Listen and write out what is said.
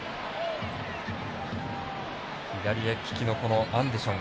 左利きのアンデション。